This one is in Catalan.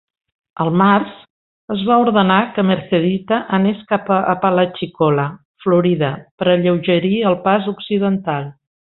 Al març, es va ordenar que "Mercedita" anés cap a Apalachicola, Florida, per alleugerir el pas occidental.